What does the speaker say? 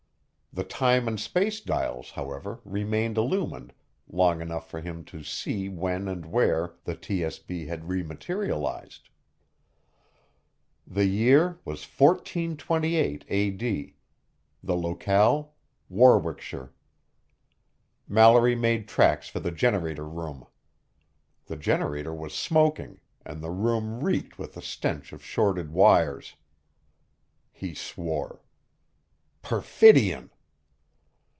The time and space dials, however, remained illumined long enough for him to see when and where the TSB had re materialized. The year was 1428 A.D.; the locale, Warwickshire. Mallory made tracks for the generator room. The generator was smoking, and the room reeked with the stench of shorted wires. He swore. Perfidion!